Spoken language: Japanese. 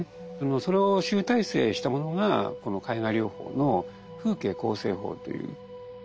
それを集大成したものがこの絵画療法の「風景構成法」という。